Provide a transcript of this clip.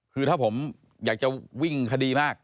คือถ้าผมอยากจะวิ่งคดีมาก